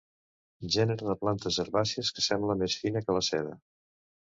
Gènere de plantes herbàcies que sembla més fina que la seda.